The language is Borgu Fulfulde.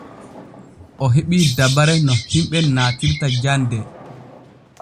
O heɓii dabare no himɓe naatirta jande.